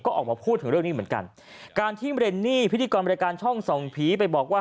ก็ออกมาพูดถึงเรื่องนี้เหมือนกันการที่เรนนี่พิธีกรบริการช่องส่องผีไปบอกว่า